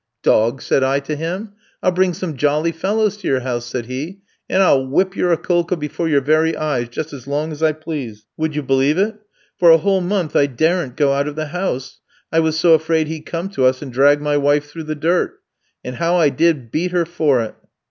'Dog!' said I to him. 'I'll bring some jolly fellows to your house,' said he, 'and I'll whip your Akoulka before your very eyes just as long as I please.' Would you believe it? For a whole month I daren't go out of the house, I was so afraid he'd come to us and drag my wife through the dirt. And how I did beat her for it!"